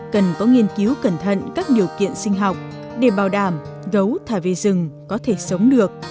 cần có nghiên cứu cẩn thận các điều kiện sinh học để bảo đảm gấu thả về rừng có thể sống được